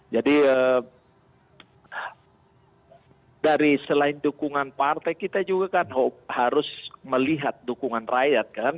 jadi dari selain dukungan partai kita juga kan harus melihat dukungan rakyat kan